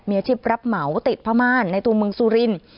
มีอาชีพรับเหมาติดพม่านในตัวเมืองสุรินทร์